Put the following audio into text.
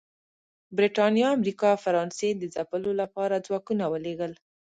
برېټانیا، امریکا او فرانسې د ځپلو لپاره ځواکونه ولېږل